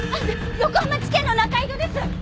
横浜地検の仲井戸です。